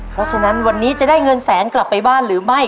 เพราะฉะนั้นวันนี้จะได้เงินแสนกลับไปบ้านหรือไม่